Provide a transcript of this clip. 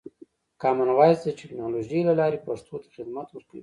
کامن وایس د ټکنالوژۍ له لارې پښتو ته خدمت ورکوي.